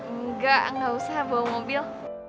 enggak enggak usah bawa mobil